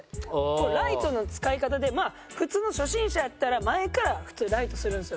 ライトの使い方でまあ普通の初心者やったら前から普通ライトするんですよ。